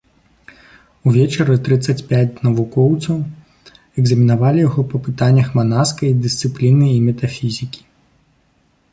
Увечары трыццаць пяць навукоўцаў экзаменавалі яго па пытаннях манаскай дысцыпліны і метафізікі.